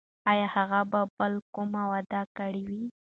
ایا هغې به بله کومه وعده کړې وي؟